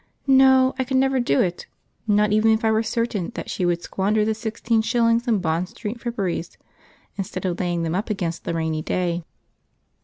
No, I could never do it, not even if I were certain that she would squander the sixteen shillings in Bond Street fripperies instead of laying them up against the rainy day.